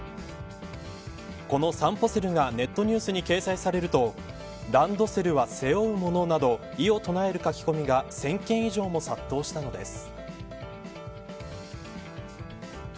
このさんぽセルがネットニュースに掲載されるとランドセルは背負うものなど異をとなえる書き込みが１０００件以上も殺到したのです。